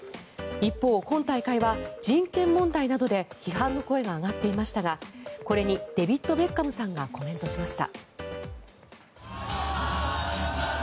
一方、今大会は人権問題などで批判の声が上がっていましたがこれにデビッド・ベッカムさんがコメントしました。